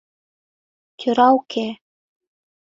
Тӧра уке.